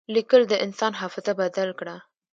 لیکل د انسان حافظه بدل کړه.